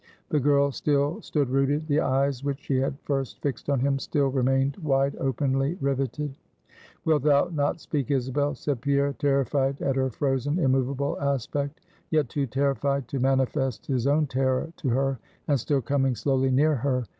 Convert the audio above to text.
The girl still stood rooted; the eyes, which she had first fixed on him, still remained wide openly riveted. "Wilt thou not speak, Isabel?" said Pierre, terrified at her frozen, immovable aspect, yet too terrified to manifest his own terror to her; and still coming slowly near her.